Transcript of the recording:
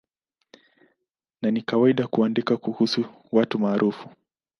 Na ni kawaida kuandika kuhusu watu maarufu.